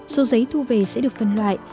số giấy thu về sẽ được phân loại